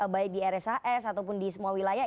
baik di rshs ataupun di semua wilayah